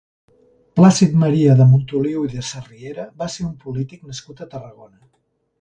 Plàcid-Maria de Montoliu i de Sarriera va ser un polític nascut a Tarragona.